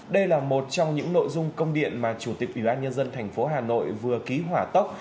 đây là một trong những nội dung công điện mà chủ tịch ủy ban nhân dân thành phố hà nội vừa ký hỏa tóc